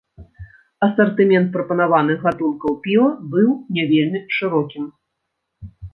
Асартымент прапанаваных гатункаў піва быў не вельмі шырокім.